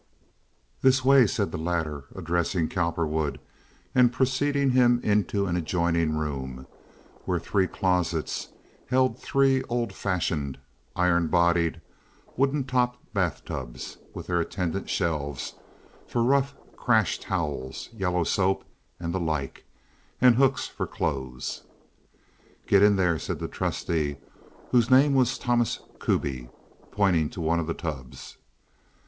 "This way," said the latter, addressing Cowperwood, and preceding him into an adjoining room, where three closets held three old fashioned, iron bodied, wooden top bath tubs, with their attendant shelves for rough crash towels, yellow soap, and the like, and hooks for clothes. "Get in there," said the trusty, whose name was Thomas Kuby, pointing to one of the tubs.